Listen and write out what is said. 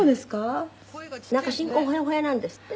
「なんか新婚ほやほやなんですって？」